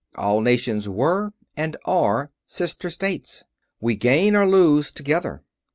All nations were and are sister states. We gain or lose together.